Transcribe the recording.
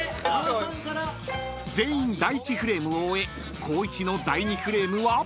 ［全員第１フレームを終え光一の第２フレームは］